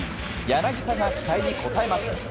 柳田が期待に応えます。